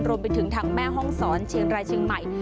รวมไปถึงทางแม่ห้องศรเชียงรายเชียงใหม่